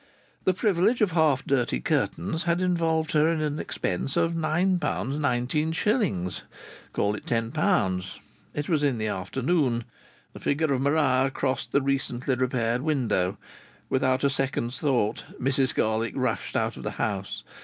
The privilege of half dirty curtains had involved her in an expense of £9, 19s., (call it £10). It was in the afternoon. The figure of Maria crossed the recently repaired window. Without a second's thought Mrs Garlick rushed out of the house.